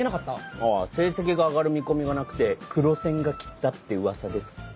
あぁ成績が上がる見込みがなくて黒センが切ったって噂です。